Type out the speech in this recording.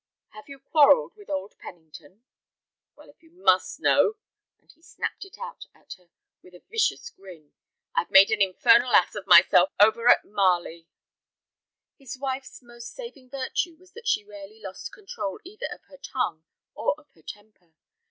"Have you quarrelled with old Pennington?" "Well, if you must know," and he snapped it out at her with a vicious grin; "I've made an infernal ass of myself over at Marley." His wife's most saving virtue was that she rarely lost control either of her tongue or of her temper.